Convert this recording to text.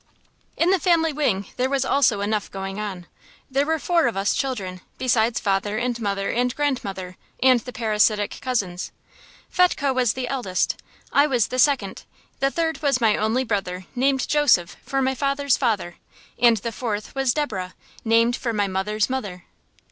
In the family wing there was also enough going on. There were four of us children, besides father and mother and grandmother, and the parasitic cousins. Fetchke was the eldest; I was the second; the third was my only brother, named Joseph, for my father's father; and the fourth was Deborah, named for my mother's mother.